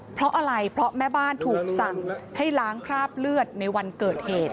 เพราะอะไรเพราะแม่บ้านถูกสั่งให้ล้างคราบเลือดในวันเกิดเหตุ